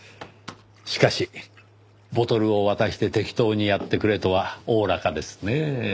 しかしボトルを渡して適当にやってくれとはおおらかですねぇ。